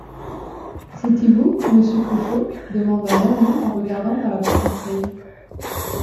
C’est-y vous, monsieur Cruchot? demanda Nanon en regardant par la petite grille.